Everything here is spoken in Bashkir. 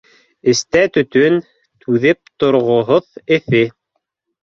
Эстә төтөн, түҙеп торғоһоҙ эҫе